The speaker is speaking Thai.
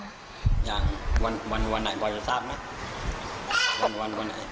ไม่ยังวันวันไหนบ่อยจะทราบนะ